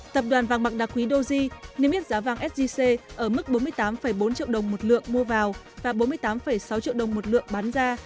tập đoàn vàng mạng đặc quý doji niêm yết giá vàng sgc ở mức bốn mươi tám bốn triệu đồng một lượng mua vào và bốn mươi tám sáu triệu đồng một lượng bán ra